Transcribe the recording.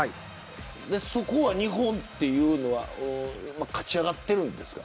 そこは日本っていうのは勝ち上がってるんですか。